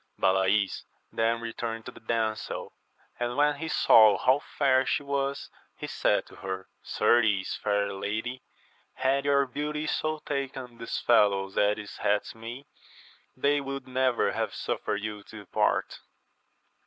161 Balays then returned to the damsel, and when he saw how fair she was, he said to her, Certes, fair lady, had your beauty so taken these fellows as it hath me, they would never have suffered you to depart.